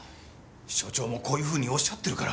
署長もこういうふうにおっしゃってるから。